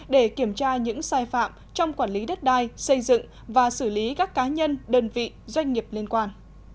để kiểm tra những sai phạm trong quản lý đất đai xây dựng và xử lý các cá nhân đơn vị doanh nghiệp liên quan